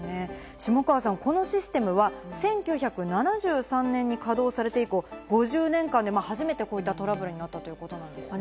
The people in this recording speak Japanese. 下川さん、このシステムは１９７３年に稼働されて以降、５０年間で初めてこういったトラブルになったということなんですね。